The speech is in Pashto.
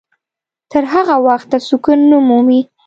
تر هغه وخته سکون نه مومي.